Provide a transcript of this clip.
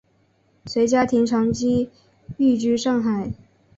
随家庭长期寓居上海。